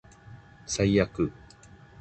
最悪